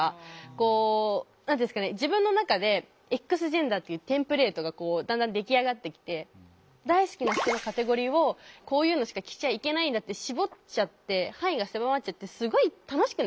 こう自分の中でＸジェンダーっていうテンプレートがだんだん出来上がってきて大好きな服のカテゴリーをこういうのしか着ちゃいけないんだって絞っちゃって範囲が狭まっちゃってすごい楽しくなくなっちゃったんですよ。